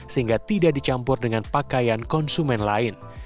sehingga tidak dicampur dengan pakaian konsumen lain